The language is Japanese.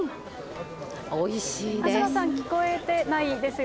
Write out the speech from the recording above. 東さん、聞こえてないですよ